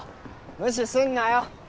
無視すんなよ想！